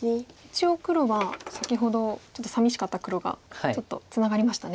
一応黒は先ほどちょっとさみしかった黒がツナがりました。